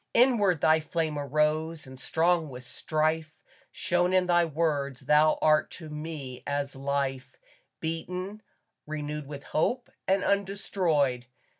Inward thy flame arose and strong with strife Shone in thy words thou art to me as life, Beaten, renewed with hope, and undestroyed.